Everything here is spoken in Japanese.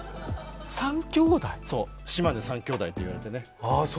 島根３兄弟と言われてね。